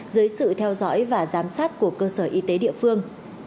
dưới sự theo dõi và giám sát của cơ sở y tế địa phương